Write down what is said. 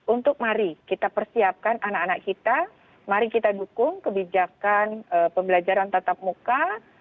untuk mari kita persiapkan anak anak kita mari kita dukung kebijakan pembelajaran tatap muka